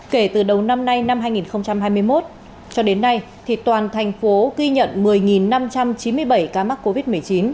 kể từ đầu năm nay năm hai nghìn hai mươi một cho đến nay toàn thành phố ghi nhận một mươi năm trăm chín mươi bảy ca mắc covid một mươi chín